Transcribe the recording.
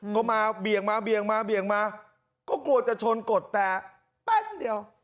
ก็มาเบี่ยงมาเบี่ยงมาเบี่ยงมาก็กลัวจะชนกดแต่แป๊บเดียว